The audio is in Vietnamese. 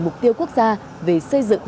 mục tiêu quốc gia về xây dựng